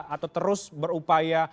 atau terus berupaya